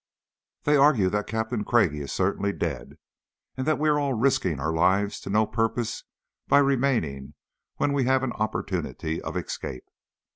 They argue that Captain Craigie is certainly dead, and that we are all risking our lives to no purpose by remaining when we have an opportunity of escape.